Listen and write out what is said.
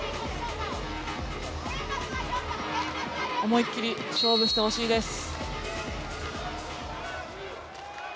思い切り勝負してほしいです。